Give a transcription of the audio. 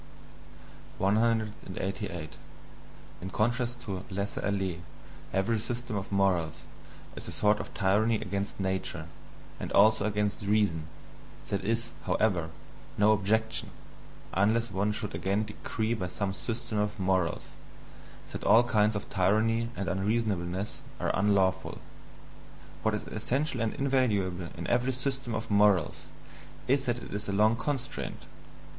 188. In contrast to laisser aller, every system of morals is a sort of tyranny against "nature" and also against "reason", that is, however, no objection, unless one should again decree by some system of morals, that all kinds of tyranny and unreasonableness are unlawful What is essential and invaluable in every system of morals, is that it is a long constraint.